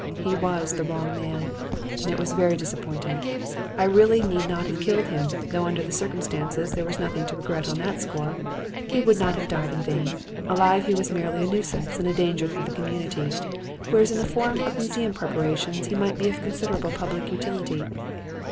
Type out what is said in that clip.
He was the wrong man. "It was very disappointing. I really need not have killed him, though under the circumstances there was nothing to regret on that score. He would not have died in vain. Alive he was merely a nuisance and a danger to the community, whereas in the form of museum preparations he might be of considerable public utility.